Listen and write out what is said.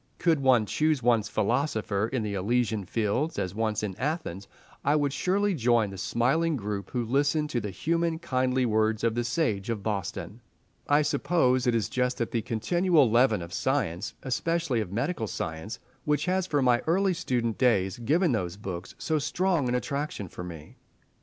Could one choose one's philosopher in the Elysian fields, as once in Athens, I would surely join the smiling group who listened to the human, kindly words of the Sage of Boston. I suppose it is just that continual leaven of science, especially of medical science, which has from my early student days given those books so strong an attraction for me.